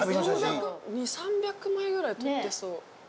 ２００３００枚ぐらい撮ってそう。